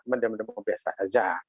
mereka memang biasa saja